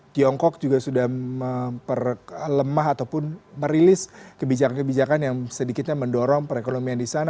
tiongkok juga sudah melemah ataupun merilis kebijakan kebijakan yang sedikitnya mendorong perekonomian di sana